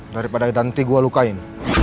daripada nanti gue lukain